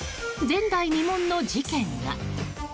前代未聞の事件が。